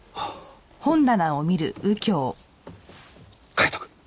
カイトくん。